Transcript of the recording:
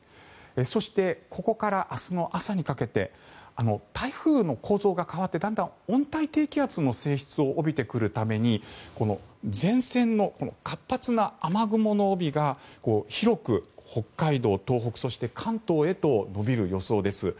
そしてここから明日の朝にかけて台風の構造が変わってだんだん温帯低気圧の性質を帯びてくるために前線の活発な雨雲の帯が広く北海道、東北そして関東へと延びる予想です。